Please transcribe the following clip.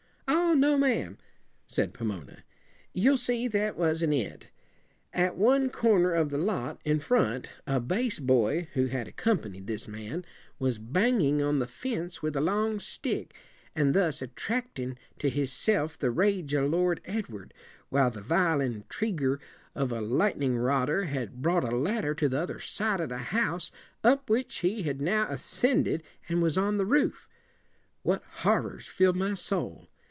"Oh, no, ma'am!" said Pomona. "You'll see that that wasn't it. 'At one cor ner of the lot, in front, a base boy, who had accompa ni ed this man, was banging on the fence with a long stick, and thus attrack ing to hisself the rage of Lord Edward, while the vile intrig er of a light en ing rodder had brought a lad der to the other side of the house, up which he had now as cend ed, and was on the roof. What horrors fill ed my soul!